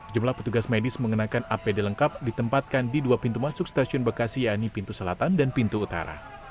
jumlah petugas medis mengenakan apd lengkap ditempatkan di dua pintu masuk stasiun bekasi yaitu pintu selatan dan pintu utara